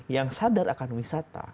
yang sadar akan wisata